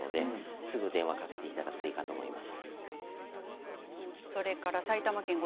すぐに電話をかけていただくといいと思います。